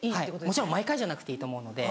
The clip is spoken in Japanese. もちろん毎回じゃなくていいと思うので。